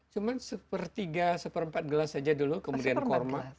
cuma seperempat gelas saja dulu kemudian kurma